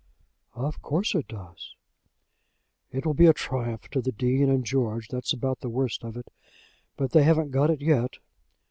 "Of course it does." "It will be such a triumph to the Dean, and George. That's about the worst of it. But they haven't got it yet.